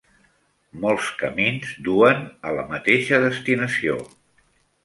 Molts camins duen a la mateixa destinació.